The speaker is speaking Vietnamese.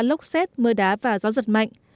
lốc xét mưa đá và gió giật mạnh